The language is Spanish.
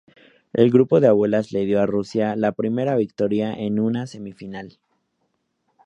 El grupo de abuelas le dio a Rusia la primera victoria en una semifinal.